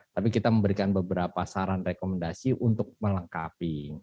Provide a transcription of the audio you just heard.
tapi kita memberikan beberapa saran rekomendasi untuk melengkapi